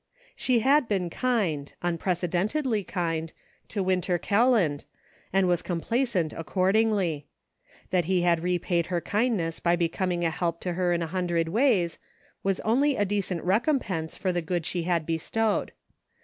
She had been kind, unprecedentedly kind, to Winter Kelland, and was complacent accordingly. That he had repaid her kindness by becoming a help to her in a hundred ways, was only a decent recompense for the good she had bestowed.